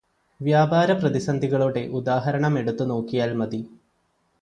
വ്യാപാരപ്രതിസന്ധികളുടെ ഉദാഹരണമെടുത്തുനോക്കിയാൽ മതി.